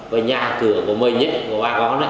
với nhà cửa của mây nhất của bà